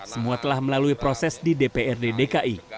semua telah melalui proses di dprd dki